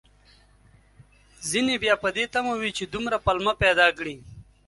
ځينې بيا په دې تمه وي، چې دومره پلمه پيدا کړي